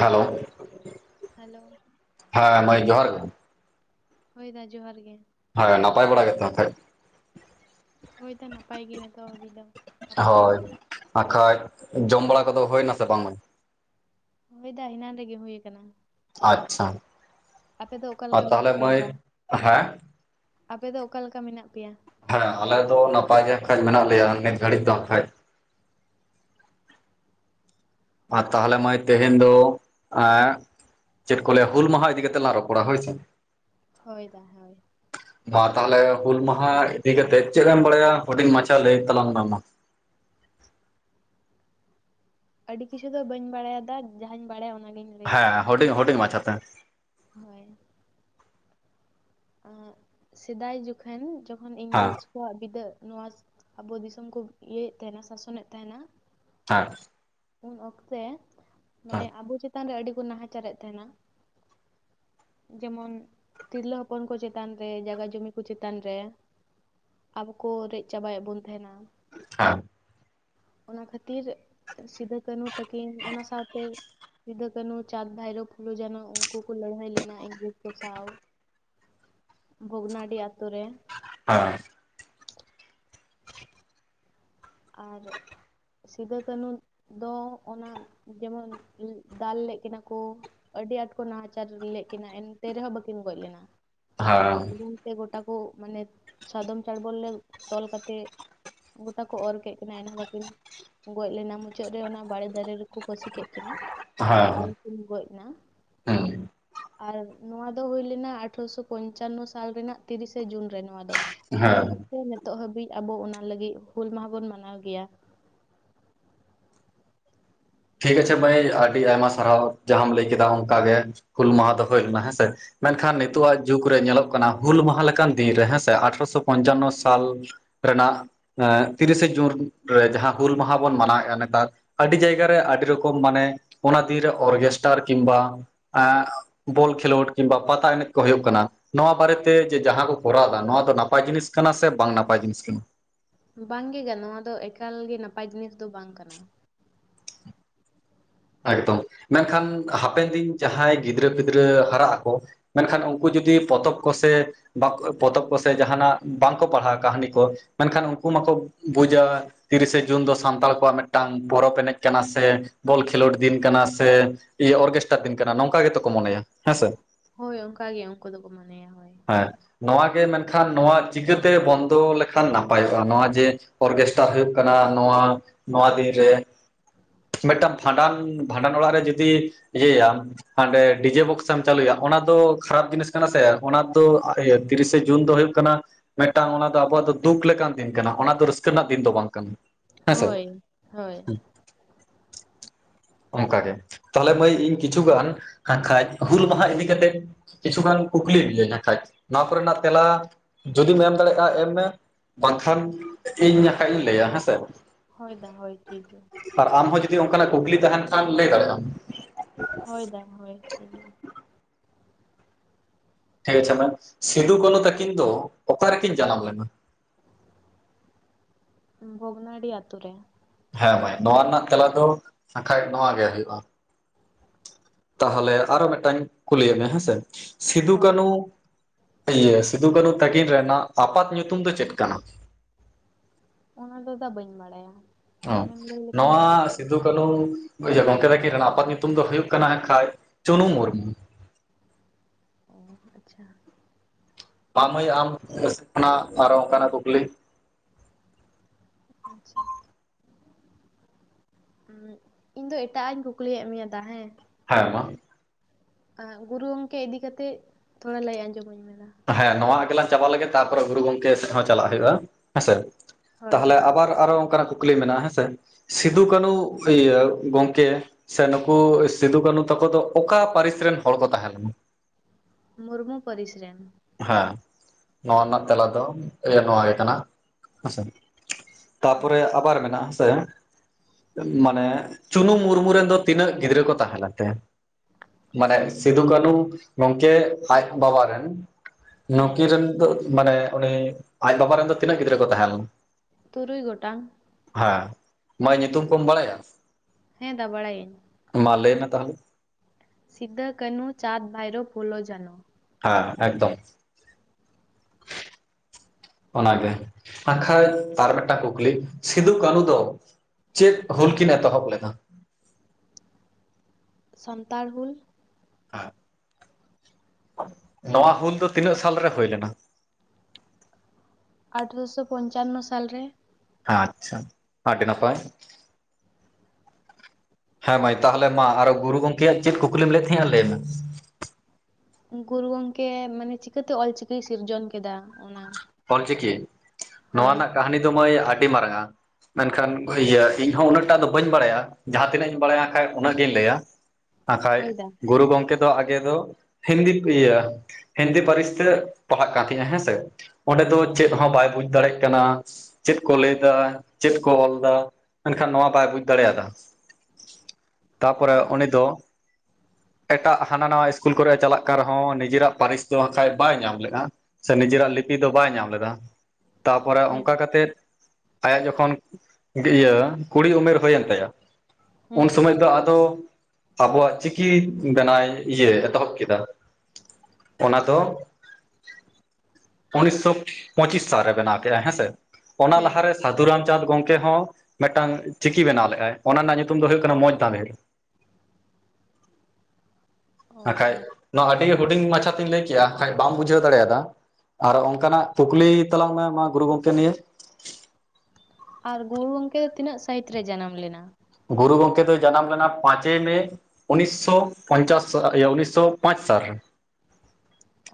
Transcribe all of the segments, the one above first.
Hello hello ᱦᱮᱸ ᱢᱟᱹᱭ ᱡᱚᱦᱟᱨ ᱜᱮ᱾ ᱦᱳᱭ ᱫᱟ ᱡᱚᱦᱟᱨ ᱜᱮ᱾ ᱦᱟᱭ ᱱᱟᱯᱟᱭ ᱵᱟᱲᱟ ᱜᱮᱛᱚ ᱦᱟᱸᱜ ᱠᱷᱟᱡ? ᱦᱳᱭ ᱫᱟ ᱱᱟᱯᱟᱭ ᱜᱮ ᱱᱤᱛᱚᱜ ᱦᱟᱵᱤᱡ ᱫᱚ, ᱟᱯᱮ ᱠᱚᱜᱤ? ᱦᱟᱸᱜ ᱠᱷᱟᱡ ᱡᱚᱢ ᱵᱟᱲᱟ ᱠᱚᱫᱚ ᱦᱳᱭ ᱱᱟᱥᱮ ᱵᱟᱝ ᱢᱟᱹᱭ? ᱦᱳᱭ ᱫᱟ ᱤᱱᱟᱱ ᱨᱮᱜᱮ ᱦᱳᱭ ᱠᱟᱱᱟ᱾ ᱟᱪᱪᱷᱟ ᱚᱠᱟ ᱟᱨ ᱞᱮᱠᱟ ᱢᱮᱱᱟᱜ ᱛᱟᱦᱟᱞᱮ ᱯᱮᱭᱟ ᱢᱟᱹᱭ ᱫᱟ ᱦᱮᱸ ᱟᱯᱮ ᱫᱚ ᱚᱠᱟ ᱞᱮᱠᱟ ᱢᱮᱱᱟᱜ ᱯᱮᱭᱟ? ᱦᱮᱸ ᱟᱞᱮ ᱫᱚ ᱱᱟᱯᱟᱭ ᱜᱮ ᱦᱟᱸᱜ ᱠᱷᱟᱡᱽ ᱢᱮᱱᱟᱜ ᱞᱮᱭᱟ ᱱᱤᱛ ᱜᱷᱟᱹᱲᱤᱡ ᱫᱚ ᱦᱟᱸᱜ ᱠᱷᱟᱡᱽ᱾ ᱟᱨ ᱛᱟᱦᱟᱞᱮ ᱢᱟᱹᱭ ᱛᱮᱦᱮᱧ ᱫᱚ ᱮᱸ ᱪᱮᱫ ᱠᱚ ᱞᱟᱹᱭᱟ ᱦᱩᱞ ᱢᱟᱦᱟ ᱤᱫᱤ ᱠᱟᱛᱮᱜ ᱞᱟᱝ ᱨᱚᱯᱚᱲᱟ ᱦᱳᱭ ᱥᱮ᱾ ᱦᱳᱭ ᱫᱟ ᱦᱳᱭ᱾ ᱢᱟ ᱛᱟᱦᱟᱞᱮ ᱦᱩᱞ ᱢᱟᱦᱟ ᱤᱫᱤ ᱠᱟᱛᱮᱜ ᱪᱮᱫ ᱮᱢ ᱵᱟᱲᱟᱭᱟ ᱦᱩᱰᱤᱧ ᱢᱟᱪᱷᱟ ᱞᱟᱹᱭ ᱛᱟᱞᱟᱝ ᱢᱮ ᱢᱟ? ᱟᱹᱰᱤ ᱠᱤᱪᱷᱩ ᱫᱚ ᱵᱟᱹᱧ ᱵᱟᱲᱟᱭᱟ ᱫᱟ ᱡᱟᱦᱟᱸᱧ ᱵᱟᱲᱟᱭᱟ ᱚᱱᱟᱜᱤᱧ ᱞᱟᱹᱭ ᱦᱮᱸ ᱟᱸᱡᱚᱢ ᱦᱩᱰᱤᱧ ᱦᱩᱰᱤᱧ ᱢᱟᱪᱷᱟ ᱛᱮ᱾ ᱦᱳᱭ ᱟᱸ ᱥᱮᱫᱟᱭ ᱡᱚᱠᱷᱮᱱ ᱡᱚᱠᱷᱚᱱ ᱤᱝᱨᱮᱡᱽ ᱦᱮᱸ ᱠᱚᱣᱟᱜ ᱵᱤᱫᱟᱹ ᱱᱚᱣᱟ ᱟᱵᱚ ᱫᱤᱥᱚᱢ ᱠᱚ ᱤᱭᱟᱹᱭᱮᱫ ᱛᱟᱦᱮᱱᱟ ᱥᱟᱥᱚᱱᱮᱫ ᱛᱟᱦᱮᱱᱟ [unintelligible] ᱩᱱ ᱚᱠᱛᱮ ᱦᱮᱸ ᱢᱟᱱᱮ ᱦᱮᱸ ᱟᱵᱚ ᱪᱮᱛᱟᱱ ᱨᱮ ᱟᱹᱰᱤ ᱠᱚ ᱱᱟᱦᱟᱪᱟᱨᱮᱫ ᱛᱟᱦᱮᱱ-ᱟ᱾ ᱡᱮᱢᱚᱱ ᱛᱤᱨᱞᱟᱹ ᱦᱚᱯᱚᱱ ᱠᱚ ᱪᱮᱛᱟᱱ ᱨᱮ ᱡᱟᱜᱟ ᱡᱩᱢᱤ ᱠᱚ ᱪᱮᱛᱟᱱ ᱨᱮ᱾ ᱟᱵᱚ ᱠᱚ ᱨᱮᱡ ᱪᱟᱵᱟᱭᱮᱫ ᱵᱚᱱ ᱛᱟᱦᱮᱱ-ᱟ᱾ ᱦᱮᱸ ᱚᱱᱟ ᱠᱷᱟᱹᱛᱤᱨ ᱥᱤᱫᱟᱹ ᱠᱟᱹᱱᱩ ᱛᱟᱹᱠᱤᱱ ᱚᱱᱟ ᱥᱟᱶᱛᱮ ᱥᱤᱫᱟᱹ ᱠᱟᱹᱱᱩ ᱪᱟᱸᱫᱽ ᱵᱷᱟᱭᱨᱳ ᱯᱷᱩᱞᱳ ᱡᱷᱟᱱᱚ ᱩᱝᱠᱩ ᱠᱚ ᱞᱟᱹᱲᱦᱟᱹᱭ ᱞᱮᱱᱟ ᱤᱝᱨᱮᱡᱽ ᱠᱚ ᱥᱟᱶ᱾ ᱵᱷᱚᱜᱽᱱᱟᱰᱤ ᱟᱛᱳ ᱨᱮ᱾ ᱦᱮᱸ ᱟᱨ ᱥᱤᱫᱟᱹ ᱠᱟᱹᱱᱩ ᱫᱚ ᱚᱱᱟ ᱡᱮᱢᱚᱱ ᱫᱟᱞ ᱞᱮᱫ ᱠᱤᱱᱟᱹ ᱠᱚ ᱟᱹᱰᱤ ᱟᱸᱴ ᱠᱚ ᱱᱟᱦᱟᱪᱟᱨ ᱞᱮᱫ ᱠᱤᱱᱟ ᱮᱱᱛᱮ ᱨᱮᱦᱚᱸ ᱵᱟᱹᱠᱤᱱ ᱜᱚᱡ ᱞᱮᱱᱟ᱾ ᱦᱮᱸ ᱛᱮ ᱜᱚᱴᱟ ᱠᱚ ᱢᱟᱱᱮ ᱥᱟᱫᱚᱢ ᱪᱟᱲᱵᱚᱞ ᱨᱮ ᱛᱚᱞ ᱠᱟᱛᱮ ᱜᱚᱴᱟ ᱠᱚ ᱚᱨ ᱠᱮᱫ ᱠᱤᱱᱟ ᱮᱱᱦᱚᱸ ᱵᱟᱹᱠᱤᱱ ᱜᱚᱡ ᱞᱮᱱᱟ ᱢᱩᱪᱟᱹᱫ ᱨᱮ ᱚᱱᱟ ᱵᱟᱲᱮ ᱫᱟᱨᱮ ᱨᱮ ᱠᱚ ᱯᱟᱹᱥᱤ ᱠᱮᱫ ᱠᱤᱱᱟᱹ ᱦᱮᱸ ᱟᱨ ᱠᱤᱱ ᱜᱚᱡ ᱱᱟ᱾ ᱦᱮᱸ ᱟᱨ ᱱᱚᱣᱟ ᱫᱚ ᱦᱩᱭ ᱞᱮᱱᱟ ᱟᱴᱷᱨᱚᱥᱚ ᱯᱚᱧᱪᱟᱱᱱᱚ ᱥᱟᱞ ᱨᱮᱱᱟᱜ ᱛᱤᱨᱤᱥᱮ ᱡᱩᱱ ᱨᱮ ᱱᱚᱣᱟ ᱫᱚ᱾ ᱦᱮᱸ ᱚᱱᱟ ᱦᱮᱸ ᱞᱟᱹᱜᱤᱫ ᱛᱮ ᱱᱤᱛᱳᱜ ᱦᱟᱹᱵᱤᱡ ᱟᱵᱚ ᱚᱱᱟ ᱞᱟᱹᱜᱤᱫ ᱦᱩᱞ ᱢᱟᱦᱟ ᱵᱚᱱ ᱢᱟᱱᱟᱣ ᱜᱮᱭᱟ᱾ ᱴᱷᱤᱠ ᱟᱪᱷᱮ ᱢᱟᱹᱭ ᱟᱹᱰᱤ ᱟᱭᱢᱟ ᱥᱟᱨᱦᱟᱣ ᱡᱟᱦᱟᱢ ᱞᱟᱹᱭ ᱠᱮᱫᱟ ᱚᱝᱠᱟᱜᱮ ᱦᱩᱞ ᱢᱟᱦᱟ ᱫᱚ ᱦᱚᱭ ᱞᱮᱱᱟ ᱦᱮᱸ ᱥᱮ᱾ ᱢᱮᱱᱠᱷᱟᱱ ᱱᱤᱛᱳᱜ ᱟᱜ ᱡᱩᱜᱽ ᱨᱮ ᱧᱮᱞᱚᱜ ᱠᱟᱱᱟ ᱦᱩᱞ ᱢᱟᱦᱟ ᱞᱮᱠᱟᱱ ᱫᱤᱱ ᱨᱮ ᱦᱮᱸ ᱥᱮ ᱟᱴᱷᱨᱚᱥᱚ ᱯᱚᱧᱪᱟᱱᱱᱚ ᱥᱟᱞ ᱨᱮᱱᱟᱜ ᱛᱤᱨᱤᱥᱮ ᱡᱩᱱ ᱨᱮ ᱡᱟᱦᱟᱸ ᱦᱩᱞ ᱢᱟᱦᱟ ᱵᱚᱱ ᱢᱟᱱᱟᱣᱮᱜ-ᱟ ᱱᱮᱛᱟᱨ ᱟᱹᱰᱤ ᱡᱟᱭᱜ-ᱟ ᱨᱮ ᱟᱹᱰᱤ ᱨᱚᱠᱚᱢ ᱢᱟᱱᱮ ᱚᱱᱟ ᱫᱤᱱᱨᱮ ᱚᱨᱜᱮᱥᱴᱟᱨ ᱠᱤᱝᱵᱟ ᱮᱸ ᱵᱚᱞ ᱠᱷᱮᱞᱳᱰ ᱠᱤᱝᱵᱟ ᱯᱟᱛᱟ ᱮᱱᱮᱡ ᱠᱚ ᱦᱳᱭᱳᱜ ᱠᱟᱱᱟ᱾ ᱱᱚᱣᱟ ᱵᱟᱨᱮᱛᱮ ᱡᱮ ᱡᱟᱦᱟᱸ ᱠᱚ ᱠᱚᱨᱟᱣ ᱮᱫᱟ ᱱᱚᱣᱟ ᱫᱚ ᱱᱟᱯᱟᱭ ᱡᱤᱱᱤᱥ ᱠᱟᱱᱟ ᱥᱮ ᱵᱟᱝ ᱱᱟᱯᱟᱭ ᱡᱤᱱᱤᱥ ᱠᱟᱱᱟ? ᱵᱟᱝ ᱜᱮ ᱜᱟᱱ ᱱᱚᱣᱟ ᱫᱚ ᱮᱠᱟᱞᱜᱮ ᱱᱟᱯᱟᱭ ᱡᱤᱱᱤᱥ ᱫᱚ ᱵᱟᱝ ᱠᱟᱱᱟ᱾ ᱮᱠᱫᱚᱢ, ᱢᱮᱱᱠᱷᱟᱱ ᱦᱟᱯᱮᱱ ᱫᱤᱱ ᱡᱟᱦᱟᱸᱭ ᱜᱤᱫᱽᱨᱟᱹ-ᱯᱤᱫᱽᱨᱟᱹ ᱦᱟᱨᱟᱜ-ᱟ ᱠᱚ ᱢᱮᱱᱠᱷᱟᱱ ᱩᱱᱠᱩ ᱡᱩᱫᱤ ᱯᱚᱛᱚᱵ ᱠᱚ ᱥᱮ ᱵᱟ ᱯᱚᱛᱚᱵ ᱠᱚ ᱥᱮ ᱡᱟᱸᱦᱟᱱᱟᱜ ᱵᱟᱝᱠᱚ ᱯᱟᱲᱦᱟᱜ-ᱟ ᱠᱟᱹᱦᱱᱤ ᱠᱚ ᱢᱮᱱᱠᱷᱟᱱ ᱩᱱᱠᱩ ᱢᱟᱠᱚ ᱵᱩᱡᱟ᱾ ᱛᱤᱨᱤᱥᱮ ᱡᱩᱱ ᱫᱚ ᱥᱟᱱᱛᱟᱞ ᱠᱚᱣᱟᱜ ᱢᱤᱫᱴᱟᱝ ᱯᱚᱨᱚᱵᱽ ᱮᱱᱮᱡ ᱠᱟᱱᱟ ᱥᱮ ᱵᱚᱞ ᱠᱷᱮᱹᱞ᱾ ᱠᱷᱮᱞᱳᱰ ᱫᱤᱱ ᱠᱟᱱᱟ ᱥᱮ ᱤᱭᱟᱹ ᱚᱨᱜᱮᱥᱴᱟᱨ ᱫᱤᱱ ᱠᱟᱱᱟ ᱱᱚᱝᱠᱟ ᱜᱮᱛᱚ ᱠᱚ ᱢᱚᱱᱮᱭᱟ ᱦᱮᱸ ᱥᱮ᱾ ᱦᱳᱭ, ᱚᱝᱠᱟ ᱜᱮ ᱩᱱᱠᱩ ᱫᱚᱠᱚ ᱢᱚᱱᱮᱭᱟ ᱦᱳᱭ᱾ ᱦᱮᱸ ᱱᱚᱣᱟ ᱜᱮ ᱢᱮᱱᱠᱷᱟᱱ ᱱᱚᱣᱟ ᱪᱤᱠᱟᱹᱛᱮ ᱵᱚᱱᱫᱚ ᱞᱮᱠᱷᱟᱱ ᱱᱟᱯᱟᱭᱚᱜ-ᱟ? ᱱᱚᱣᱟ ᱡᱮ ᱚᱨᱜᱮᱥᱴᱟᱨ ᱦᱩᱭᱩᱜ ᱠᱟᱱᱟ ᱱᱚᱣᱟ ᱱᱚᱣᱟ ᱫᱤᱱ ᱨᱮ ᱢᱤᱫᱴᱟᱝ ᱵᱷᱟᱸᱰᱟᱱ, ᱵᱷᱟᱸᱰᱟᱱ ᱚᱲᱟᱜ ᱨᱮ ᱡᱩᱫᱤ ᱤᱭᱟᱹᱭᱟᱢ᱾ ᱦᱟᱸᱰᱮ ᱰᱤ ᱡᱮ ᱵᱚᱠᱥ ᱮᱢ ᱪᱟᱹᱞᱩᱭᱟ ᱚᱱᱟ ᱫᱚ ᱠᱷᱟᱨᱟᱯ ᱡᱤᱱᱤᱥ ᱠᱟᱱᱟ ᱥᱮ ᱚᱱᱟ ᱫᱚ ᱤᱭᱟᱹ᱾ ᱛᱤᱨᱤᱥᱮ ᱡᱩᱱ ᱫᱚ ᱦᱩᱭᱩᱜ ᱠᱟᱱᱟ᱾ ᱢᱤᱫᱴᱟᱝ ᱚᱱᱟ ᱫᱚ ᱟᱵᱚᱣᱟᱜ ᱫᱚ ᱫᱩᱠ ᱞᱮᱠᱟᱱ ᱫᱤᱱ ᱠᱟᱱᱟ, ᱚᱱᱟ ᱫᱚ ᱨᱟᱹᱥᱠᱟᱹ ᱨᱮᱱᱟᱜ ᱫᱤᱱ ᱫᱚ ᱵᱟᱝ ᱠᱟᱱᱟ᱾ ᱦᱮᱸᱥᱮ ᱦᱳᱭ, ᱦᱳᱭ᱾ ᱚᱱᱠᱟᱜᱮ ᱛᱟᱦᱞᱮ ᱢᱟᱹᱭ ᱤᱧ ᱠᱤᱪᱷᱩᱩᱜᱟᱱ ᱦᱟᱸᱜ ᱠᱷᱟᱡ ᱦᱩᱞ ᱢᱟᱦᱟ ᱤᱫᱤ ᱠᱟᱛᱮᱫ ᱠᱤᱪᱷᱩᱩᱜᱟᱱ ᱠᱩᱠᱞᱤᱢ ᱞᱟᱹᱭᱟᱧ ᱱᱟ ᱠᱷᱟᱱ ᱱᱚᱣᱟ ᱠᱚᱨᱮᱱᱟᱜ ᱛᱮᱞᱟ ᱡᱩᱫᱤᱢ ᱮᱢ ᱫᱟᱲᱮᱭᱟᱜ-ᱟ ᱮᱢ ᱢᱮ᱾ ᱵᱟᱝᱠᱷᱟᱱ ᱤᱧ ᱱᱟᱠᱷᱟᱡ ᱤᱧ ᱞᱟᱹᱭᱟ ᱦᱮᱸ ᱥᱮ᱾ ᱦᱳᱭ ᱫᱟ ᱦᱳᱭ ᱴᱷᱤᱠ ᱜᱮᱭᱟ᱾ ᱟᱨ ᱟᱢᱦᱚᱸ ᱡᱩᱫᱤ ᱚᱝᱠᱟᱱᱟᱜ ᱠᱩᱠᱞᱤ ᱛᱟᱸᱦᱮᱱ ᱠᱷᱟᱱ ᱞᱟᱹᱭ ᱫᱟᱲᱮᱭᱟᱜ-ᱟᱢ᱾ ᱦᱳᱭ ᱫᱟ ᱦᱳᱭ, ᱴᱷᱤᱠ ᱜᱮ᱾ ᱴᱷᱤᱠ ᱟᱪᱷᱮ ᱢᱟ, ᱥᱤᱫᱩ ᱠᱟᱹᱱᱩ ᱛᱟᱹᱠᱤᱱ ᱫᱚ ᱚᱠᱟᱨ ᱨᱮᱠᱤᱱ ᱡᱟᱱᱟᱢ ᱞᱮᱱᱟ? ᱵᱷᱚᱜᱽᱱᱟᱰᱤ ᱟᱹᱛᱳ ᱨᱮ᱾ ᱦᱮᱸ ᱢᱟᱹᱭ, ᱱᱚᱣᱟ ᱨᱮᱱᱟᱜ ᱛᱮᱞᱟ ᱫᱚ ᱱᱟᱠᱷᱟᱡ ᱱᱚᱣᱟ ᱜᱮ ᱦᱩᱭᱩᱜ-ᱟ᱾ ᱛᱟᱦᱞᱮ ᱟᱨᱚ ᱢᱤᱫᱴᱟᱝ ᱠᱩᱞᱤᱭᱮᱫ ᱢᱮᱭᱟ ᱦᱮᱸᱥᱮ, ᱥᱤᱫᱩ ᱦᱳᱭ ᱠᱟᱹᱱᱩ ᱤᱭᱟᱹ ᱥᱤᱫᱩ ᱠᱟᱹᱱᱩ ᱛᱟᱹᱠᱤᱱ ᱨᱮᱱᱟᱜ ᱟᱯᱟᱛ ᱧᱩᱛᱩᱢ ᱫᱚ ᱪᱮᱫ ᱠᱟᱱᱟ? ᱚᱱᱟᱫᱚ ᱫᱟ ᱵᱟᱹᱧ ᱵᱟᱲᱟᱭᱟ᱾ ᱚ, ᱟᱢᱮᱢ ᱞᱟᱹᱭ ᱞᱮᱠᱷᱟᱱ ᱱᱚᱣᱟ ᱵᱷᱟᱹᱜᱤ ᱠᱚᱜᱼᱟ ᱥᱤᱫᱩ ᱠᱟᱹᱱᱩ ᱜᱚᱢᱠᱮ ᱛᱟᱹᱠᱤᱱ ᱨᱮᱱ ᱟᱯᱟᱛ ᱧᱩᱛᱩᱢ ᱫᱚ ᱦᱩᱭᱩᱜ ᱠᱟᱱᱟ ᱦᱟᱸᱜ ᱠᱷᱟᱡ ᱪᱩᱱᱩ ᱢᱩᱨᱢᱩ᱾ ᱚ, [unintelligible] ᱟᱪᱪᱷᱟ᱾ ᱢᱟ ᱢᱟᱹᱭ ᱟᱢ ᱡᱟᱹᱥᱛᱤᱜ ᱠᱟᱱᱟ ᱟᱨᱦᱚᱸ ᱚᱱᱠᱟᱱᱟᱜ ᱠᱩᱠᱞᱤ᱾ ᱟᱪᱪᱷᱟ᱾ ᱮᱸᱜ, ᱤᱧ ᱫᱚ ᱮᱴᱟᱜ ᱟᱜ ᱤᱧ ᱠᱩᱠᱞᱤᱭᱮᱫ ᱢᱮᱭᱟ ᱫᱟ ᱦᱮᱸ? ᱦᱮᱸ ᱢᱟ᱾ ᱮᱸᱜ, ᱜᱩᱨᱩ ᱜᱚᱝᱠᱮ ᱤᱫᱤ ᱠᱟᱛᱮᱜ ᱛᱷᱚᱲᱟ ᱞᱟᱹᱭ ᱟᱸᱡᱚᱢᱟᱹᱧ ᱢᱮ ᱫᱟ᱾ ᱦᱮᱸ ᱱᱚᱣᱟ ᱜᱮᱞᱟᱝ ᱪᱟᱵᱟᱜ ᱞᱮᱜᱮ, ᱛᱟᱨᱯᱚᱨᱮ ᱜᱩᱨᱩ ᱜᱚᱝᱠᱮ ᱥᱮᱫ ᱦᱚᱸ ᱪᱟᱞᱟᱜ ᱦᱩᱭᱩᱜ-ᱟ ᱦᱮᱸᱥᱮ ᱦᱳᱭ ᱛᱟᱦᱞᱮ ᱦᱳᱭ ᱟᱵᱟᱨ᱾ ᱟᱨᱚ ᱚᱝᱠᱟᱱᱟᱜ ᱠᱩᱠᱞᱤ ᱢᱮᱱᱟᱜ-ᱟ ᱦᱮᱸ ᱥᱮ, ᱥᱤᱫᱩ ᱦᱳᱭ ᱠᱟᱹᱱᱩ ᱤᱭᱟᱹ ᱜᱚᱝᱠᱮ ᱥᱮ ᱱᱩᱠᱩ ᱥᱤᱫᱩ ᱠᱟᱹᱱᱩ ᱛᱟᱠᱚ ᱫᱚ ᱚᱠᱟ ᱯᱟᱹᱨᱤᱥ ᱨᱮᱱ ᱦᱚᱲ ᱠᱚ ᱛᱟᱦᱮᱸ ᱞᱮᱱᱟ? ᱢᱩᱨᱢᱩ ᱯᱟᱹᱨᱤᱥ ᱨᱮᱱ᱾ ᱦᱮᱸ ᱱᱚᱣᱟ ᱨᱮᱱᱟᱜ ᱛᱮᱞᱟ ᱫᱚ ᱤᱭᱟᱹ ᱱᱚᱣᱟ ᱜᱮ ᱠᱟᱱᱟ ᱦᱮᱸ ᱥᱮ᱾ ᱦᱳᱭ ᱛᱟᱯᱚᱨᱮ ᱟᱵᱟᱨ ᱢᱮᱱᱟᱜ-ᱟ, ᱦᱮᱸ ᱥᱮ᱾ ᱢᱟᱱᱮ ᱪᱩᱱᱩᱢ ᱢᱩᱨᱢᱩ ᱨᱮᱱ ᱫᱚ ᱛᱤᱱᱟᱹᱜ ᱜᱤᱫᱽᱨᱟᱹ ᱠᱚ ᱛᱟᱦᱮᱸ ᱞᱮᱱ ᱛᱟᱭᱟ? ᱢᱟᱱᱮ ᱥᱤᱫᱩ ᱠᱟᱹᱱᱩ ᱜᱚᱝᱠᱮ ᱟᱡ ᱵᱟᱵᱟ ᱨᱮᱱ? ᱱᱚᱣᱟ ᱦᱮᱸ ᱠᱤᱱ ᱨᱮᱱ ᱫᱚ ᱢᱟᱱᱮ ᱩᱱᱤ ᱟᱡ ᱵᱟᱵᱟ ᱨᱮᱱ ᱫᱚ ᱛᱤᱱᱟᱹᱜ ᱜᱤᱫᱽᱨᱟᱹ ᱠᱚ ᱛᱟᱦᱮᱸ ᱞᱮᱱᱟ? ᱛᱩᱨᱩᱭ ᱜᱚᱴᱟᱝ᱾ ᱦᱮᱸ, ᱢᱟᱹᱭ ᱧᱩᱛᱩᱢ ᱠᱚᱢ ᱵᱟᱲᱟᱭᱟ? ᱦᱮᱸ ᱫᱟ ᱵᱟᱲᱟᱭᱟᱹᱧ। ᱢᱟ ᱞᱟᱹᱭ ᱢᱮ ᱛᱟᱦᱚᱞᱮ ᱥᱤᱫᱟᱹ ᱠᱟᱱᱩ ᱪᱟᱸᱫᱽ ᱵᱷᱟᱭᱨᱚ ᱯᱷᱩᱞᱳ ᱡᱷᱟᱱᱚ ᱦᱮᱸ ᱮᱠᱫᱚᱢ ᱚᱱᱟᱜᱮ ᱟᱠᱷᱟᱡ ᱟᱨ ᱢᱤᱫᱴᱟᱝ ᱠᱩᱠᱞᱤ ᱥᱤᱫᱩ ᱠᱟᱹᱱᱩ ᱫᱚ ᱪᱮᱫ ᱦᱩᱞ ᱠᱤᱱ ᱮᱛᱚᱦᱚᱵ ᱞᱮᱫᱟ? ᱥᱟᱱᱛᱟᱲ ᱦᱩᱞ ᱦᱮᱸ ᱱᱚᱣᱟ ᱦᱩᱞ ᱫᱚ ᱛᱤᱱᱟᱹᱜ ᱥᱟᱞᱨᱮ ᱦᱩᱭ ᱞᱮᱱᱟ? ᱟᱴᱷᱮᱨᱚᱥᱚ ᱯᱚᱧᱪᱟᱱᱱᱚ ᱥᱟᱞᱨᱮ ᱟᱪᱪᱷᱟ ᱟᱹᱰᱤ ᱱᱟᱯᱟᱭ ᱦᱮᱸ ᱢᱟᱟᱹᱭ ᱛᱟᱞᱦᱮ ᱢᱟ ᱟᱨᱚ ᱜᱩᱨᱩ ᱜᱚᱢᱠᱮᱭᱟᱜ ᱪᱮᱫ ᱠᱩᱠᱞᱤᱢ ᱞᱟᱹᱭᱮᱫ ᱛᱟᱦᱮᱸᱱᱟ ᱞᱟᱹᱭ ᱢᱮ ᱜᱩᱨᱩ ᱜᱚᱝᱠᱮ ᱢᱟᱱᱮ ᱪᱤᱠᱟᱹᱛᱮ ᱚᱞ ᱪᱤᱠᱤᱭ ᱥᱤᱨᱡᱚᱱ ᱠᱮᱫᱟ ᱚᱱᱟ ᱚᱞ ᱪᱤᱠᱤ ᱱᱚᱣᱟ ᱦᱳᱭ ᱨᱮᱱᱟᱜ ᱠᱟᱹᱦᱱᱤ ᱫᱚ ᱢᱟᱹᱭ ᱟᱹᱰᱤ ᱢᱟᱨᱟᱝ ᱟ। ᱢᱮᱱᱠᱷᱟᱱ ᱤᱭᱟᱹ ᱤᱧᱦᱚᱸ ᱩᱱᱟᱹᱜ ᱴᱟ ᱫᱚ ᱵᱟᱹᱧ ᱵᱟᱲᱟᱭᱟ ᱡᱟᱦᱟᱸ ᱛᱤᱱᱟᱹᱜ ᱤᱧ ᱵᱟᱲᱟᱭᱟ ᱠᱷᱟᱡ ᱩᱱᱟᱹᱜ ᱜᱤᱧ ᱞᱟᱹᱭᱟ ᱦᱳᱭ ᱟᱠᱷᱟᱡ ᱫᱟ ᱜᱩᱨᱩ ᱜᱚᱝᱠᱮ ᱫᱚ ᱟᱜᱮ ᱫᱚ ᱦᱤᱱᱫᱤ ᱤᱭᱟᱹ ᱦᱤᱱᱫᱤ ᱯᱟᱹᱨᱤᱥ ᱛᱮ ᱯᱟᱲᱦᱟᱜ ᱠᱟᱱ ᱛᱟᱦᱮᱸᱜᱼᱟ ᱦᱮᱸᱥᱮ ᱚᱸᱰᱮ ᱫᱚ ᱪᱮᱫ ᱦᱚᱸ ᱵᱟᱭ ᱵᱩᱡ ᱫᱟᱲᱮᱜ ᱠᱟᱱᱟ ᱪᱮᱫ ᱠᱚ ᱞᱟᱹᱭ ᱮᱫᱟ ᱪᱮᱫ ᱠᱚ ᱚᱞ ᱮᱫᱟ ᱢᱮᱱᱠᱷᱟᱱ ᱱᱚᱣᱟ ᱵᱟᱭ ᱵᱩᱡ ᱫᱟᱲᱮᱭᱟᱫᱟ ᱛᱟᱯᱚᱨᱮ ᱦᱳᱭ ᱩᱱᱤ ᱫᱚ ᱮᱴᱟᱜ ᱦᱟᱱᱟ ᱱᱟᱣᱟ ᱤᱥᱠᱩᱞ ᱠᱚᱨᱮ ᱪᱟᱞᱟᱜ ᱠᱟᱱ ᱨᱮᱦᱚᱸ ᱱᱤᱡᱮᱨᱟᱜ ᱯᱟᱹᱨᱤᱥ ᱫᱚ ᱟᱠᱷᱟᱡ ᱵᱟᱭ ᱧᱟᱢ ᱞᱮᱜ- ᱟ ᱥᱮ ᱱᱤᱡᱮᱨᱟᱜ ᱞᱤᱯᱤ ᱫᱚ ᱵᱟᱭ ᱧᱟᱢ ᱞᱮᱫᱟ ᱛᱟᱨᱯᱚᱨᱮ ᱦᱮᱸ ᱚᱱᱠᱟ ᱠᱟᱛᱮᱜ ᱟᱭᱟᱜ ᱡᱚᱠᱷᱚᱱ ᱤᱭᱟᱹ ᱠᱩᱲᱤ ᱩᱢᱮᱨ ᱦᱩᱭᱮᱱ ᱛᱟᱭᱟ ᱩᱱ ᱦᱮᱸ ᱥᱚᱢᱚᱭ ᱫᱚ ᱟᱫᱚ ᱟᱵᱚᱣᱟᱜ ᱪᱤᱠᱤ ᱵᱮᱱᱟᱭ ᱤᱭᱟᱹ ᱮᱛᱚᱦᱚᱵ ᱠᱮᱫᱟ ᱚᱱᱟ ᱫᱚ ᱩᱱᱤᱥᱥᱚ ᱯᱚᱸᱪᱤᱥ ᱥᱟᱞ ᱨᱮ ᱵᱮᱱᱟᱣ ᱠᱮᱫᱼᱟ ᱦᱮᱸᱥᱮ ᱚᱱᱟ ᱦᱮᱸ ᱞᱟᱦᱟᱨᱮ ᱥᱟᱹᱫᱷᱩ ᱨᱟᱢᱪᱟᱸᱫᱽ ᱜᱚᱝᱠᱮ ᱦᱚᱸ ᱢᱤᱫᱴᱟᱝ ᱪᱤᱠᱤ ᱵᱮᱱᱟᱣ ᱞᱮᱫᱟᱭ ᱚᱱᱟ ᱨᱮᱱᱟᱜ ᱧᱩᱛᱩᱢ ᱫᱚ ᱦᱩᱭᱩᱜ ᱠᱟᱱᱟ ᱢᱚᱸᱡᱽ ᱫᱟᱸᱫᱷᱮᱲ ᱚ ᱦᱟᱠᱷᱟᱡ ᱦᱮᱸ ᱱᱚᱣᱟ ᱟᱹᱰᱤ ᱦᱩᱰᱤᱧ ᱢᱟᱪᱷᱟ ᱛᱤᱧ ᱞᱟᱹᱭ ᱠᱮᱼᱟ ᱦᱟᱠᱷᱟᱡ ᱵᱟᱢ ᱵᱩᱡᱷᱟᱹᱣ ᱫᱟᱲᱮᱭᱟᱫᱟ ᱟᱨᱚ ᱚᱱᱠᱟᱱᱟᱜ ᱠᱩᱠᱞᱤ ᱛᱟᱞᱟᱝ ᱢᱮ ᱢᱟ ᱜᱩᱨᱩ ᱜᱚᱢᱠᱮ ᱱᱤᱭᱟᱹ ᱟᱨ ᱜᱩᱨᱩ ᱜᱚᱝᱠᱮ ᱛᱤᱱᱟᱹᱜ ᱥᱟᱦᱤᱛ ᱨᱮᱭ ᱡᱟᱱᱟᱢ ᱞᱮᱱᱟ? ᱜᱩᱨᱩ ᱜᱚᱢᱠᱮ ᱫᱚᱭ ᱡᱟᱱᱟᱢ ᱞᱮᱱᱟ ᱯᱟᱸᱪᱮᱭ ᱢᱮ ᱩᱱᱤᱥᱥᱚ ᱯᱚᱸᱧᱪᱟᱥ ᱤᱭᱟᱹ ᱩᱱᱤᱥᱥᱚ ᱯᱟᱸᱪ ᱥᱟᱞ ᱨᱮ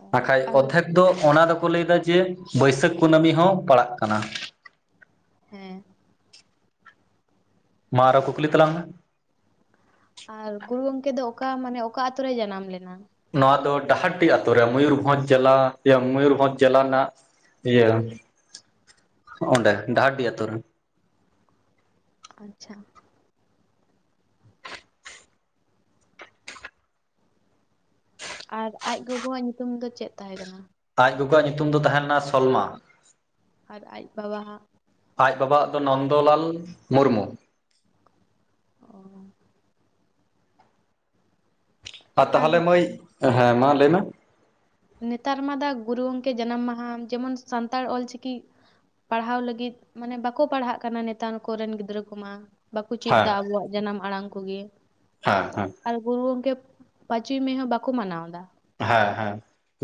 ᱚ ᱟᱠᱷᱟᱡ ᱟᱨ ᱚᱨᱫᱷᱮᱠ ᱫᱚ ᱚᱱᱟ ᱫᱚᱠᱚ ᱞᱟᱹᱭᱫᱟ ᱡᱮ ᱵᱟᱹᱭᱥᱟᱹᱠᱷ ᱠᱩᱱᱟᱹᱢᱤ ᱦᱚᱸ ᱯᱟᱲᱟᱜ ᱠᱟᱱᱟ ᱦᱮᱸ ᱢᱟ ᱟᱨᱚ ᱠᱩᱠᱞᱤ ᱛᱟᱞᱟᱝ ᱢᱮ ᱟᱨ ᱜᱩᱨᱩ ᱜᱚᱝᱠᱮ ᱫᱚ ᱚᱠᱟ ᱢᱟᱱᱮ ᱚᱠᱟ ᱟᱹᱛᱩ ᱨᱮᱭ ᱡᱟᱱᱟᱢ ᱞᱮᱱᱟ? ᱱᱚᱣᱟ ᱫᱚ ᱰᱟᱦᱟᱨᱰᱤ ᱟᱹᱛᱩ ᱨᱮ ᱢᱚᱭᱩᱨᱵᱷᱚᱸᱡᱽ ᱡᱮᱞᱟ ᱤᱭᱟᱹ ᱢᱚᱭᱩᱨᱵᱷᱚᱸᱡᱽ ᱡᱮᱞᱟ ᱨᱮᱱᱟᱜ ᱤᱭᱟᱹ ᱚᱸᱰᱮ ᱰᱟᱦᱟᱨᱰᱤ ᱟᱹᱛᱩ ᱨᱮ ᱟᱪᱪᱷᱟ ᱟᱨ ᱟᱡ ᱜᱚᱜᱚᱣᱟᱜ ᱧᱩᱛᱩᱢ ᱫᱚ ᱪᱮᱫ ᱛᱟᱦᱮᱸ ᱠᱟᱱᱟ ᱟᱡ ᱜᱚᱜᱚᱣᱟᱜ ᱧᱩᱛᱩᱢ ᱫᱚ ᱛᱟᱦᱮᱸ ᱞᱮᱱᱟ ᱥᱚᱞᱢᱟ ᱟᱨ ᱟᱡ ᱵᱟᱵᱟ ᱦᱟᱜ ᱟᱡ ᱵᱟᱵᱟᱣᱟᱜ ᱫᱚ ᱱᱚᱱᱫᱚᱞᱟᱞ ᱢᱩᱨᱢᱩ ᱚᱻ ᱟᱨ ᱛᱟᱦᱚᱞᱮ ᱢᱟᱹᱭ ᱦᱮᱸ ᱢᱟ ᱞᱟᱹᱭ ᱢᱮ? ᱱᱮᱛᱟᱨ ᱢᱟ ᱫᱟᱜ ᱜᱩᱨᱩ ᱜᱚᱢᱠᱮ ᱡᱟᱱᱟᱢ ᱢᱟᱦᱟ ᱡᱮᱢᱚᱱ ᱥᱟᱱᱛᱟᱲ ᱚᱞᱪᱤᱠᱤᱼᱼ ᱯᱟᱲᱦᱟᱣ ᱞᱟᱹᱜᱤᱫ ᱢᱟᱱᱮ ᱵᱟᱠᱚ ᱯᱟᱲᱦᱟᱜ ᱠᱟᱱᱟ ᱱᱮᱛᱟᱨ ᱠᱚᱨᱮᱱ ᱜᱤᱫᱽᱨᱟᱹ ᱠᱚᱢᱟ᱾ ᱵᱟᱠᱚ ᱪᱮᱫ ᱦᱮᱸ ᱮᱫᱟ ᱟᱵᱚᱣᱟᱜ ᱡᱟᱱᱟᱢ ᱟᱲᱟᱝ ᱠᱚᱜᱮ᱾ ᱦᱮᱸ ᱦᱮᱸ ᱟᱨ ᱜᱩᱨᱩ ᱜᱚᱢᱠᱮ ᱯᱟᱸᱪᱚᱭ ᱢᱮ ᱦᱚᱸ ᱵᱟᱠᱚ ᱢᱟᱱᱟᱣ ᱮᱫᱟ᱾ ᱦᱮᱸ ᱦᱮᱸ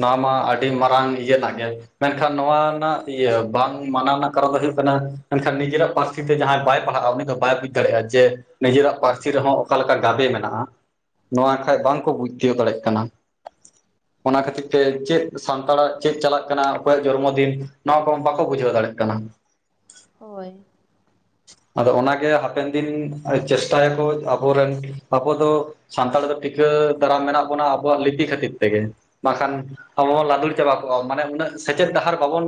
ᱱᱚᱣᱟ ᱢᱟ ᱟᱹᱰᱤ ᱢᱟᱨᱟᱝ ᱤᱭᱟᱹᱱᱟᱜ ᱜᱮᱼᱼ ᱢᱮᱱᱠᱷᱟᱱ ᱱᱚᱣᱟ ᱨᱮᱱᱟᱜ ᱤᱭᱟᱹ ᱵᱟᱝ ᱢᱟᱱᱟᱣ ᱨᱮᱱᱟᱜ ᱠᱟᱨᱚᱱ ᱫᱚ ᱦᱩᱭᱩᱜ ᱠᱟᱱᱟ ᱢᱮᱱ ᱠᱷᱟᱱ ᱱᱤᱡᱮᱨᱟᱜ ᱯᱟᱹᱨᱥᱤᱼᱼ ᱯᱟᱹᱨᱥᱤ ᱛᱮ ᱡᱟᱦᱟᱸᱭ ᱵᱟᱭ ᱯᱟᱲᱦᱟᱜᱼᱟ ᱩᱱᱤ ᱫᱚ ᱵᱟᱭ ᱵᱩᱡᱽ ᱫᱟᱲᱮᱭᱟᱜᱼᱟ ᱡᱮ ᱱᱤᱡᱮᱨᱟᱜ ᱯᱟᱹᱨᱥᱤ ᱨᱮᱦᱚᱸ ᱚᱠᱟ ᱞᱮᱠᱟ ᱜᱟᱵᱮ ᱢᱮᱱᱟᱜᱼᱟ᱾ ᱱᱚᱣᱟ ᱠᱷᱟᱡ ᱵᱟᱝᱼᱠᱚ ᱵᱩᱡᱽ ᱪᱚ ᱫᱟᱲᱮᱜ ᱠᱟᱱᱟ᱾ ᱚᱱᱟ ᱠᱷᱟᱹᱛᱤᱨ ᱛᱮ ᱪᱮᱫ ᱥᱟᱱᱛᱟᱲᱟᱜ ᱪᱮᱫ ᱪᱟᱞᱟᱜ ᱠᱟᱱᱟ ᱚᱠᱚᱭᱟᱜ ᱡᱚᱨᱢᱚ ᱫᱤᱱ ᱱᱚᱣᱟ ᱠᱚ ᱵᱟᱠᱚ ᱵᱩᱡᱷᱟᱹᱣ ᱫᱟᱲᱮᱜ ᱠᱟᱱᱟ᱾ ᱦᱳᱭ ᱟᱫᱚ ᱚᱱᱟᱜᱮ ᱦᱟᱯᱮᱱ ᱫᱤᱱ ᱪᱮᱥᱴᱟ ᱭᱟᱠᱚ ᱟᱵᱚᱨᱮᱱ ᱟᱵᱚ ᱫᱚᱼᱼ ᱥᱟᱱᱛᱟᱲ ᱫᱚ ᱴᱤᱠᱟᱹ ᱫᱟᱨᱟᱢ ᱢᱮᱱᱟᱜ ᱵᱚᱱᱟ ᱟᱵᱚᱣᱟᱜ ᱞᱤᱯᱤ ᱠᱷᱟᱹᱛᱤᱨ ᱛᱮᱜᱮ ᱵᱟᱝ ᱠᱷᱟᱱᱼᱼ ᱟᱵᱚ ᱵᱚᱱ ᱞᱟᱹᱫᱩᱲ ᱪᱟᱵᱟ ᱠᱚᱜᱼᱟ ᱢᱟᱱᱮ ᱩᱱᱟᱹᱜ ᱥᱮᱪᱮᱫ ᱰᱟᱦᱟᱨ ᱵᱟᱵᱚᱱ,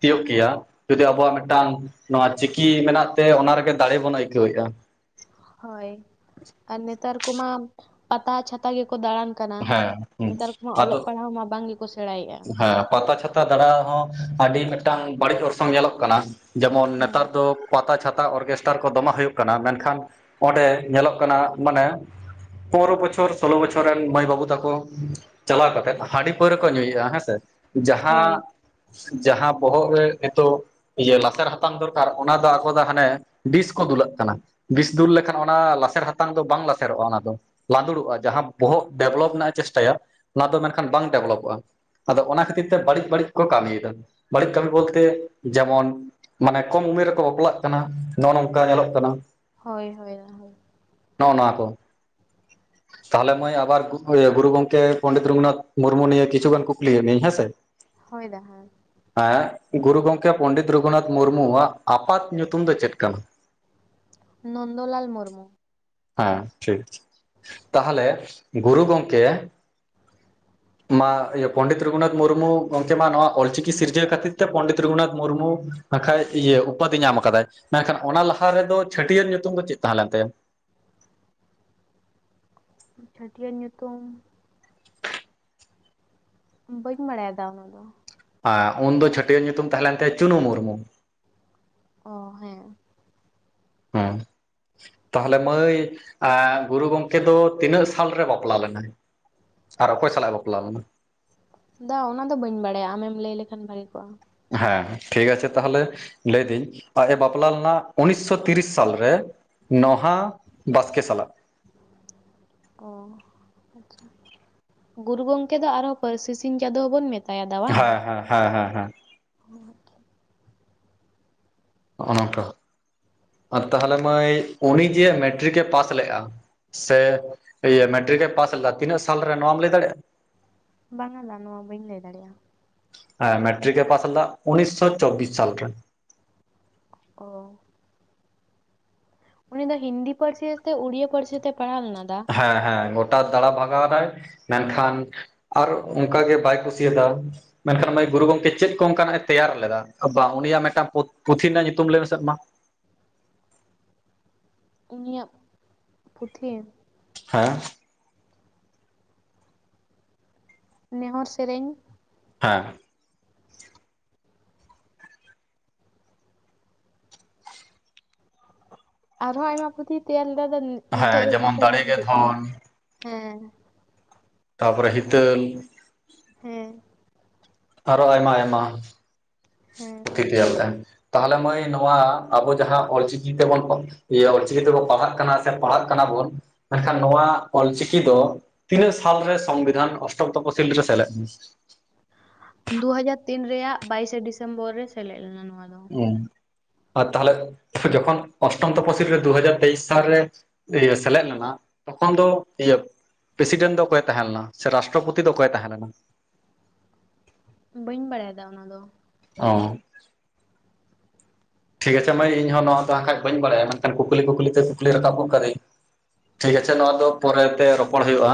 ᱛᱤᱭᱳᱜ ᱠᱮᱭᱟ ᱡᱩᱫᱤ ᱟᱵᱚᱣᱟᱜ ᱢᱤᱫ ᱴᱟᱝ ᱱᱚᱣᱟ ᱪᱤᱠᱤ ᱢᱮᱱᱟᱜᱼᱼ ᱛᱮ ᱚᱱᱟ ᱨᱮᱜᱮ ᱫᱟᱲᱮ ᱵᱚᱱ ᱟᱹᱭᱠᱟᱹᱣᱮᱫᱼᱟ᱾ ᱦᱳᱭ ᱟᱨ ᱱᱮᱛᱟᱨ ᱠᱚᱢᱟ ᱯᱟᱛᱟ ᱪᱷᱟᱛᱟ ᱜᱮᱠᱚ ᱫᱟᱬᱟᱱᱼᱼ ᱠᱟᱱᱟ ᱦᱮᱸ ᱦᱩᱸ ᱱᱮᱛᱟᱨ ᱠᱚᱢᱟ ᱟᱫᱚ ᱚᱞᱚᱜ ᱯᱟᱲᱦᱟᱣ ᱢᱟ ᱵᱟᱝ ᱜᱮ ᱠᱚ ᱥᱮᱬᱟᱭᱮᱜᱼᱟᱼᱼ ᱦᱮᱸ ᱯᱟᱛᱟ ᱪᱷᱟᱛᱟ ᱫᱟᱬᱟ ᱦᱚᱸ ᱟᱹᱰᱤ ᱢᱤᱫᱴᱟᱹᱝ ᱵᱟᱹᱲᱤᱡ ᱚᱨᱥᱚᱝ ᱧᱮᱞᱚᱜ ᱠᱟᱱᱟ᱾ ᱡᱮᱢᱚᱱ ᱦᱩᱸ ᱱᱮᱛᱟᱨ ᱫᱚᱼᱼ ᱯᱟᱛᱟ ᱪᱷᱟᱛᱟ ᱚᱨᱠᱮᱥᱴᱟᱨ ᱠᱚ ᱫᱚᱢᱮ ᱦᱩᱭᱩᱜ ᱠᱟᱱᱟ ᱢᱮᱱ ᱠᱷᱟᱱ ᱚᱸᱰᱮ ᱧᱮᱞᱚᱜ ᱠᱟᱱᱟ ᱢᱟᱱᱮᱼᱼ ᱯᱚᱱᱫᱽᱨᱚ ᱵᱚᱪᱷᱚᱨ ᱥᱳᱞᱳ ᱵᱚᱪᱷᱚᱨ ᱨᱮᱱ ᱢᱟᱹᱭ ᱵᱟᱹᱵᱩ ᱛᱟᱠᱚ ᱪᱟᱞᱟᱣ ᱠᱟᱛᱮᱫ ᱦᱟᱺᱰᱤ ᱯᱟᱹᱣᱨᱟᱹ ᱠᱚ ᱧᱩᱭᱮᱫᱼᱟ᱾ ᱦᱮᱸ ᱥᱮ ᱦᱳᱭ ᱡᱟᱦᱟᱸ ᱡᱟᱦᱟᱸ ᱵᱚᱦᱚᱜ ᱨᱮ ᱱᱮᱛᱚᱜᱼᱼ ᱤᱭᱟᱹ ᱞᱟᱥᱮᱨ ᱦᱟᱛᱟᱝ ᱫᱚᱨᱠᱟᱨ ᱚᱱᱟ ᱫᱚ ᱟᱠᱚ ᱫᱚ ᱦᱟᱱᱮ ᱵᱤᱥ ᱠᱚ ᱫᱩᱞᱟᱜ ᱠᱟᱱᱟ᱾ ᱵᱤᱥ ᱫᱩᱞ ᱞᱮᱠᱷᱟᱱ ᱚᱱᱟ ᱞᱟᱥᱮᱨ ᱦᱟᱛᱟᱝ ᱫᱚ ᱵᱟᱝ ᱞᱟᱥᱮᱨᱚᱜᱼᱟ ᱚᱱᱟ ᱫᱚ ᱞᱟᱸᱫᱩᱲᱚᱜᱼᱟ ᱡᱟᱦᱟᱸ ᱵᱚᱦᱚᱜ ᱰᱮᱵᱽᱞᱚᱯ ᱨᱮᱱᱟᱜ ᱮ ᱪᱮᱥᱴᱟᱭᱟ ᱚᱱᱟ ᱫᱚ ᱢᱮᱱ ᱠᱷᱟᱱ ᱵᱟᱝ ᱰᱮᱵᱽ ᱞᱚᱯᱚᱜᱼᱟ᱾ ᱟᱫᱚ ᱚᱱᱟ ᱠᱷᱟᱹᱛᱤᱨ ᱛᱮ ᱵᱟᱹᱲᱤᱡ ᱵᱟᱹᱲᱤᱡ ᱠᱚ ᱠᱟᱹᱢᱤ ᱮᱫᱟ ᱵᱟᱹᱲᱤᱡ ᱠᱟᱹᱢᱤ ᱵᱚᱞ ᱛᱮᱼᱼ ᱡᱮᱢᱚᱱ ᱢᱟᱱᱮ ᱠᱚᱢ ᱩᱢᱮᱨ ᱨᱮ ᱠᱚ ᱵᱟᱯᱞᱟᱜ ᱠᱟᱱᱟ ᱱᱚᱜᱼᱱᱚᱝᱼᱠᱟ ᱧᱮᱞᱚᱜ ᱠᱟᱱᱟ᱾ ᱦᱚᱭ ᱦᱚᱭ ᱦᱚᱭ ᱱᱚᱜ ᱱᱚᱣᱟ ᱠᱚ ᱛᱟᱦᱚᱞᱮ ᱢᱟᱹᱭ ᱟᱵᱟᱨ ᱜᱩᱨᱩ ᱜᱚᱝᱠᱮ ᱯᱚᱸᱰᱤᱛ ᱨᱚᱜᱷᱩᱱᱟᱛᱷ ᱢᱩᱨᱢᱩ ᱱᱤᱭᱟᱹ ᱠᱤᱪᱷᱩ ᱜᱟᱱ ᱠᱩᱼᱼ [unintelligible] ᱦᱮᱸ ᱥᱮ ᱦᱚᱭ ᱫᱟ ᱦᱚᱭ ᱦᱮᱸ ᱜᱩᱨᱩ ᱜᱚᱝᱠᱮ ᱯᱚᱸᱰᱤᱛ ᱨᱚᱜᱷᱩᱱᱟᱛᱷ ᱢᱩᱨᱢᱩ ᱣᱟᱜ ᱟᱯᱟᱛ ᱧᱩᱛᱩᱢ ᱫᱚ ᱪᱮᱫ ᱠᱟᱱᱟ? ᱱᱚᱱᱫᱚᱞᱟᱞ ᱢᱩᱨᱢᱩ ᱦᱮᱸ ᱴᱷᱤᱠ ᱴᱷᱤᱠ ᱛᱟᱦᱚᱞᱮ ᱜᱩᱨᱩ ᱜᱚᱝᱠᱮᱼᱼ ᱢᱟ [unintelligible] ᱯᱚᱸᱰᱤᱛ ᱨᱚᱜᱷᱩᱱᱟᱛᱷ ᱢᱩᱨᱢᱩ ᱜᱚᱝᱠᱮ ᱢᱟ ᱱᱚᱣᱟ ᱚᱞ ᱪᱤᱠᱤ ᱥᱤᱨᱡᱟᱹᱣ ᱠᱷᱟᱹᱛᱤᱨ ᱛᱮ ᱯᱚᱸᱰᱤᱛ ᱨᱚᱜᱷᱩᱱᱟᱛᱷ ᱢᱩᱨᱢᱩᱼᱼ ᱵᱟᱠᱷᱟᱡ ᱤᱭᱟᱹ ᱩᱯᱟᱫᱷᱤ ᱧᱟᱢ ᱟᱠᱟᱫᱟᱭ ᱢᱮᱱ ᱠᱷᱟᱱ ᱚᱱᱟ ᱞᱟᱦᱟ ᱨᱮ ᱫᱚ ᱪᱷᱟᱹᱴᱤᱭᱟᱹᱨ ᱧᱩᱛᱩᱢ ᱫᱚ ᱪᱮᱫ ᱛᱟᱦᱮᱸ ᱞᱮᱱ ᱛᱟᱭᱟ? ᱪᱷᱟᱹᱴᱤᱭᱟᱹᱨ ᱧᱩᱛᱩᱢ, ᱵᱟᱹᱧ ᱵᱟᱲᱟᱭᱟ ᱫᱟ ᱚᱱᱟ ᱫᱚ ᱟ ᱩᱱᱫᱚ ᱪᱷᱟᱹᱴᱤᱭᱟᱹᱨ ᱧᱩᱛᱩᱢ ᱛᱟᱦᱮᱸ ᱞᱭᱱ ᱛᱟᱭᱟ ᱪᱩᱱᱩ ᱢᱩᱨᱢᱩᱼᱼ ᱚ ᱦᱮᱸ ᱦᱮᱸ ᱛᱟᱦᱚᱞᱮ ᱢᱟᱹᱭ ᱜᱩᱨᱩ ᱜᱚᱝᱠᱮ ᱫᱚ, ᱛᱤᱱᱟᱹᱜ ᱥᱟᱞ ᱨᱮ ᱵᱟᱯᱞᱟ ᱞᱮᱱᱟᱭ? ᱟᱨ ᱚᱠᱚᱭ ᱥᱟᱞᱟ- ᱜ ᱮᱸ ᱵᱟᱯᱞᱟ ᱞᱮᱱᱟ? ᱫᱟ ᱚᱱᱟ ᱫᱚ ᱵᱟᱹᱧ ᱵᱟᱰᱟᱭᱟ᱾ ᱟᱢᱮᱢ ᱞᱟᱹᱭ ᱞᱮᱠᱷᱟᱱ ᱵᱷᱽᱟᱹᱜᱤ ᱠᱚᱜᱼᱟ᱾ ᱦᱮᱸ ᱴᱷᱤᱠ ᱟᱪᱷᱮ ᱛᱟᱦᱚᱞᱮ ᱞᱟᱹᱭ ᱮᱫᱟᱹᱧ᱾ ᱟᱡ ᱮ ᱵᱟᱯᱞᱟ ᱩᱱᱤᱥ ᱥᱚ ᱛᱤᱨᱤᱥ ᱥᱟᱞ ᱨᱮ, ᱱᱚᱦᱟ ᱵᱟᱥᱠᱮ ᱥᱟᱞᱟᱜ᱾ ᱚᱸᱻ ᱜᱩᱨᱩ ᱜᱚᱝᱠᱮ ᱫᱚ ᱟᱨ ᱦᱚᱸ, ᱯᱟᱹᱨᱥᱤ ᱥᱤᱧ ᱪᱟᱸᱫᱚ ᱦᱚᱸ ᱵᱚᱱ ᱢᱮᱛᱟᱭᱟ᱾ ᱫᱟ ᱵᱟᱝ? ᱦᱮᱸ ᱦᱮᱸ, ᱦᱮᱸ, ᱦᱮᱸ, ᱦᱮᱸ᱾ [inaudible] ᱱᱚᱜᱼᱱᱚᱝᱠᱟ᱾ ᱟᱨ ᱛᱟᱦᱚᱞᱮ ᱢᱟᱹᱭ ᱩᱱᱤ ᱡᱮ ᱢᱮᱴᱨᱤᱠᱮ ᱯᱟᱥ ᱞᱮᱜᱼᱟ᱾ ᱥᱮ ᱤᱭᱟᱹ ᱢᱮᱴᱨᱤᱠ ᱮ ᱯᱟᱥ ᱞᱮᱫᱟ᱾ ᱛᱤᱱᱟᱹᱜ ᱥᱟᱞ ᱨᱮ ᱱᱚᱣᱟᱢ ᱞᱟᱹᱭ ᱫᱟᱲᱮᱭᱟᱜᱼᱟ? ᱵᱟᱝᱟ ᱫᱟ, ᱱᱚᱣᱟ ᱵᱟᱹᱧ ᱞᱟᱹᱭ ᱫᱟᱲᱮᱭᱟᱜᱼᱟ᱾ ᱦᱮᱸ ᱢᱮᱴᱨᱤᱠ ᱮᱸ ᱯᱟᱥ ᱞᱮᱫᱟ᱾ ᱩᱱᱤᱥ ᱥᱳ ᱪᱚᱵᱤᱥ ᱥᱟᱞ ᱨᱮ᱾ ᱚ ᱩᱱᱤ ᱫᱚ ᱦᱤᱱᱫᱤ ᱯᱟᱹᱨᱥᱤ ᱛᱮ, ᱩᱲᱤᱭᱟ ᱯᱟᱹᱨᱥᱤ ᱛᱮ ᱯᱟᱲᱦᱟᱣ ᱞᱮᱱᱟ ᱫᱟ? ᱦᱮᱸ- ᱦᱮᱸ ᱜᱚᱴᱟ ᱫᱟᱬᱟᱸ ᱵᱷᱽᱟᱜᱟᱣ ᱮᱱᱟᱭ ᱾ᱢᱮᱱ ᱠᱷᱟᱱ ᱟᱨ ᱚᱱᱠᱟ ᱜᱮ ᱵᱟᱭ ᱠᱩᱥᱤ ᱟᱫᱟᱜᱼᱟ᱾ ᱢᱮᱱ ᱠᱷᱟᱱ ᱢᱟᱹᱭ ᱜᱩᱨᱩ ᱜᱚᱝᱠᱮ ᱪᱮᱫ ᱠᱚ ᱚᱱᱠᱟ ᱱᱟᱜ ᱮ ᱛᱮᱭᱟᱨ ᱞᱮᱫᱟ᱾ ᱵᱟᱝ ᱩᱱᱤ ᱭᱟᱜ ᱢᱤᱫᱴᱟᱹᱝ ᱯᱩᱛᱷᱤ ᱨᱮᱱᱟᱜ ᱧᱩᱛᱩᱢ ᱞᱟᱹᱭ ᱢᱮᱥᱮ ᱢᱟ? ᱩᱱᱤ ᱭᱟᱜ ᱯᱩᱛᱷᱤ ᱦᱮᱸ ᱱᱮᱦᱚᱨ ᱥᱮᱨᱮᱧ, ᱦᱮᱸ ᱟᱨ ᱦᱚᱸ ᱟᱭᱢᱟ ᱯᱩᱛᱷᱤ ᱛᱮᱭᱟᱨ ᱞᱮᱫᱟ᱾ ᱫᱚ ᱱᱮᱛᱚᱜ ᱦᱮᱸ ᱫᱚ ᱡᱮᱢᱚᱱ ᱫᱤᱥᱟᱹ ᱫᱟᱲᱮ ᱵᱟᱝ ᱜᱮ ᱦᱤᱡᱩᱼᱜ ᱠᱟᱱᱟ ᱫᱷᱚᱱ ᱾ᱦᱮᱸ ᱛᱟᱯᱚᱨᱮ ᱦᱤᱛᱟᱹᱞ ᱦᱮᱸ ᱟᱨᱚ ᱟᱭᱢᱟ - ᱟᱭᱢᱟ᱾ ᱦᱮᱸ ᱯᱩᱛᱷᱤ ᱛᱮᱭᱟᱨᱛᱮ, ᱛᱟᱦᱚᱞᱮ ᱢᱟᱹᱭ ᱱᱚᱣᱟ ᱟᱵᱚ ᱡᱟᱦᱟᱸ ᱚᱞᱪᱤᱠᱤ ᱛᱮᱵᱚᱱ ᱚᱞᱪᱤᱠᱤ ᱛᱮᱵᱚᱱ ᱯᱟᱲᱦᱟ-ᱜ ᱠᱟᱱᱟ ᱥᱮ᱾ ᱯᱟᱲᱦᱟ-ᱜ ᱠᱟᱱᱟ ᱵᱚᱱ᱾ ᱢᱮᱱᱠᱷᱟᱱ ᱱᱚᱣᱟ ᱚᱞᱪᱤᱠᱤ ᱫᱚ ᱛᱤᱱᱟᱹᱜ ᱥᱟᱞᱨᱮ ᱥᱚᱝᱵᱤᱫᱷᱽᱟᱱ᱾ ᱚᱥᱴᱚᱢ ᱛᱚᱯᱚᱥᱤᱞ ᱨᱮ, ᱥᱮᱞᱮᱫ ᱮᱱᱟ? ᱫᱩ ᱦᱟᱡᱟᱨ ᱛᱤᱱ ᱨᱮᱭᱟ-ᱜ ᱵᱟᱭᱤᱥ ᱮᱸ ᱰᱤᱥᱮᱢᱵᱚᱨ ᱨᱮ, ᱥᱮᱞᱮᱫ ᱞᱮᱱᱟ ᱱᱚᱣᱟ ᱫᱚ᱾ ᱦᱩᱸ ᱟᱨ ᱛᱟᱦᱞᱮ ᱡᱚᱠᱷᱚᱱ ᱚᱥᱴᱚᱢ ᱛᱚᱯᱚᱥᱤᱞ ᱨᱮ, ᱫᱩ ᱦᱟᱡᱟᱨ ᱛᱮᱭᱤᱥ ᱥᱟᱞᱨᱮ ᱤᱭᱟᱹ ᱥᱮᱞᱮᱫ ᱞᱮᱱᱟ, ᱛᱚᱠᱷᱚᱱ ᱫᱚ ᱤᱭᱟᱹ ᱯᱨᱮᱥᱤᱰᱮᱸᱱᱴ ᱫᱚ ᱚᱠᱚᱭ ᱮ ᱛᱟᱦᱮᱸ ᱞᱮᱴᱱᱟ ᱾ ᱥᱮ ᱨᱟᱥᱴᱨᱚᱯᱚᱛᱤ ᱫᱚ ᱚᱠᱚᱭ ᱮ ᱛᱟᱦᱮᱸ ᱞᱮᱱᱟ? ᱵᱟᱹᱧ ᱵᱟᱲᱟᱭᱟ᱾ ᱫᱟ ᱚᱱᱟ ᱫᱚ᱾ ᱦᱚᱸᱻ ᱴᱷᱤᱠ ᱟᱪᱷᱮ ᱢᱟᱹᱭ, ᱤᱧ ᱦᱚᱸ ᱱᱚᱣᱟ ᱫᱚ ᱟᱝᱸᱠᱷᱟᱡ ᱵᱟᱹᱧ ᱵᱟᱲᱟᱭᱟ ᱾ ᱢᱮᱱᱠᱷᱟᱱ ᱠᱩᱠᱞᱤ ᱠᱩᱠᱞᱤ ᱛᱮ ᱠᱩᱠᱞᱤ ᱨᱟᱠᱟᱵᱚ ᱜᱚᱫ ᱠᱟᱹᱫᱟᱹᱧ᱾ ᱴᱷᱤᱠ ᱟᱪᱷᱮ ᱱᱚᱣᱟ ᱫᱚ, ᱯᱚᱨᱮ ᱛᱮ ᱨᱚᱯᱚᱲ ᱦᱩᱭᱩᱜᱼᱟ᱾